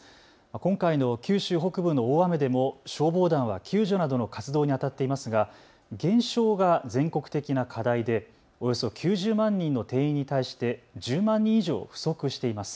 今回の九州北部の大雨でも消防団は救助などの活動にあたっていますが減少が全国的な課題でおよそ９０万人の定員に対して１０万人以上不足しています。